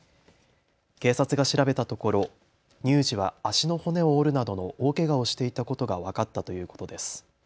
警察が調べたところ、乳児は足の骨を折るなどの大けがをしていたことが分かったということです。